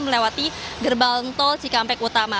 melewati gerbang tol cikampek utama